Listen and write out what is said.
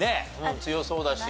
強そうだし。